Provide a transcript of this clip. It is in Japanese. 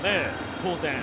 当然。